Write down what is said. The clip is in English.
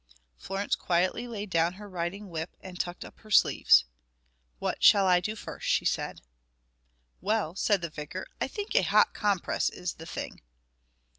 Florence quietly laid down her riding whip and tucked up her sleeves. "What shall I do first?" she said. "Well," said the vicar, "I think a hot compress is the thing."